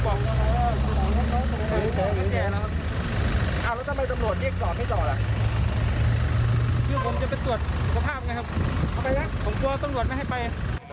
คือผมจะไปตรวจสุขภาพไงครับเอาไปแล้วผมกลัวตำรวจไม่ให้ไป